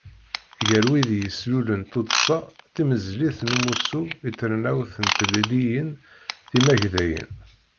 Gar wid i d-yeslulen Tuddsa Timeẓlit n Umussu i Trennawt n Tlelliyin Timagdayin.